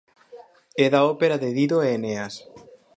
É da ópera de Dido e Eneas.